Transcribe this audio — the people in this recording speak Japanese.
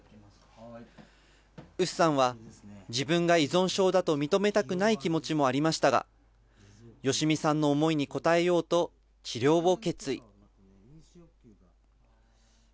ＵＳＵさんは、自分が依存症だと認めたくない気持ちもありましたが、良実さんの思いに応えようと、治療を決意。